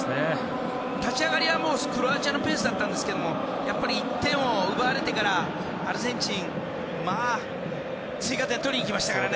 立ち上がりはクロアチアのペースだったんですけどやっぱり１点を奪われてからアルゼンチン、追加点を取りにいきましたからね。